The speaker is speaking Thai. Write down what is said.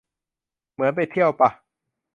เหมือนไปเที่ยวป่ะ